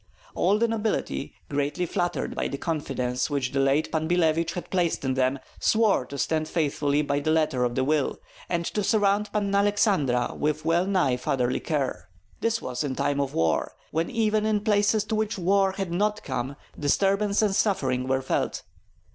All the nobility, greatly flattered by the confidence which the late Pan Billevich had placed in them, swore to stand faithfully by the letter of the will, and to surround Panna Aleksandra with well nigh fatherly care. This was in time of war, when even in places to which war had not come disturbance and suffering were felt.